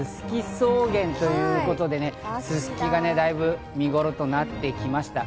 草原ということで、すすきがだいぶ見ごろとなってきました。